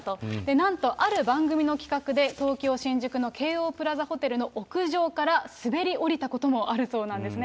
なんとある番組の企画で、東京・新宿の京王プラザホテルの屋上から、滑り降りたこともあるそうなんですね。